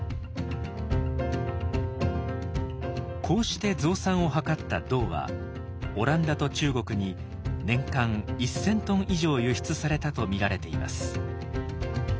こうして増産を図った銅はオランダと中国に年間１，０００トン以上輸出されたと見られています。